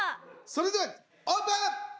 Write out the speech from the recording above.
それではオープン！